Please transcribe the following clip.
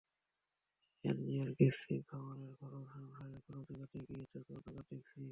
এনজিওর কিস্তি, খামারের খরচ, সংসারের খরচ জোগাতে গিয়ে চোখে অন্ধকার দেখছি।